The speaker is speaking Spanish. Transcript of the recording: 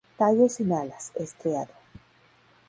Tallo sin alas, estriado.